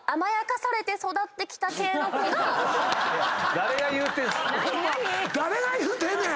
誰が言うてんねん⁉